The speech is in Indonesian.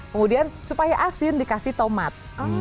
kemudian supaya asin dikasih tomat